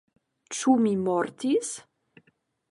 Ĉu mi mortis?